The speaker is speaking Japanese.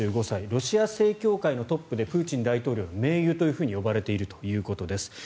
ロシア正教会のトップでプーチン大統領の盟友と呼ばれているということです。